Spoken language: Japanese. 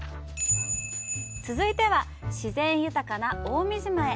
続いては、自然豊かな青海島へ。